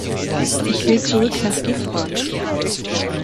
Ich will zurück nach Gifhorn!